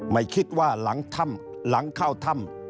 ไม่คิดว่าหลังเข้าถ้ำ